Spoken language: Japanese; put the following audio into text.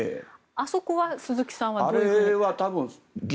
あそこは鈴木さんはどういうふうに。